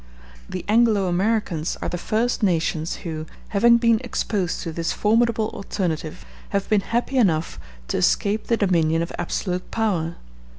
The Anglo Americans are the first nations who, having been exposed to this formidable alternative, have been happy enough to escape the dominion of absolute power.